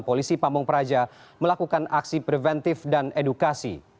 polisi pamung praja melakukan aksi preventif dan edukasi